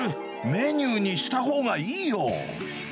メニューにしたほうがいいよ。